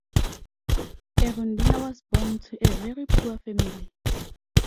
Erundina was born to a very poor family.